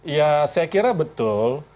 ya saya kira betul